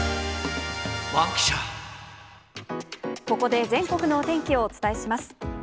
ここで全国のお天気をお伝えします。